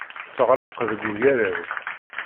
Teɣreq deg ugaraw.